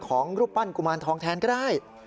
รูปปั้นกุมารทองแทนก็ได้